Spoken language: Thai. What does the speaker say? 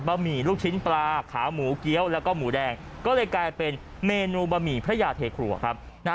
หมี่ลูกชิ้นปลาขาหมูเกี้ยวแล้วก็หมูแดงก็เลยกลายเป็นเมนูบะหมี่พระยาเทครัวครับ